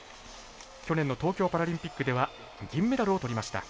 去年の東京パラリンピックでは銀メダルを取りました。